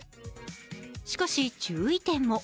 しかし注意点も。